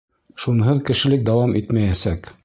Шунһыҙ кешелек дауам итмәйәсәк.